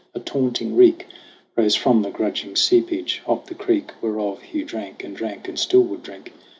A taunting reek Rose from the grudging seepage of the creek, Whereof Hugh drank and drank, and still would drink.